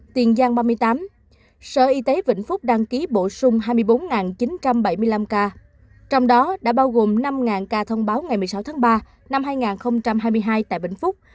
tiền giang ba mươi tám sở y tế vĩnh phúc đăng ký bổ sung hai mươi bốn chín trăm bảy mươi năm ca trong đó đã bao gồm năm ca thông báo ngày một mươi sáu tháng ba năm hai nghìn hai mươi hai tại vĩnh phúc